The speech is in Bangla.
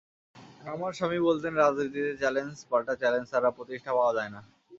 আমার স্বামী বলতেন, রাজনীতিতে চ্যালেঞ্জ পাল্টা চ্যালেঞ্জ ছাড়া প্রতিষ্ঠা পাওয়া যায় না।